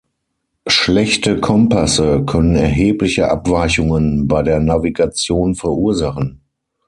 Schlechte Kompasse können erhebliche Abweichungen bei der Navigation verursachen.